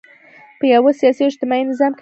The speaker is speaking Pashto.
په یوه سیاسي او اجتماعي نظام کې تنظیم شوي.